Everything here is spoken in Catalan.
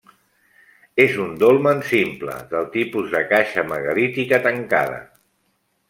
És un dolmen simple, del tipus de caixa megalítica tancada.